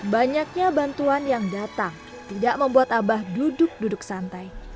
banyaknya bantuan yang datang tidak membuat abah duduk duduk santai